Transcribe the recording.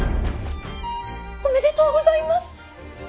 おめでとうございます！